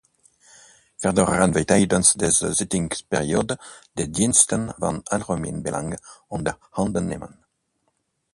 Verder gaan we tijdens deze zittingsperiode de diensten van algemeen belang onder handen nemen.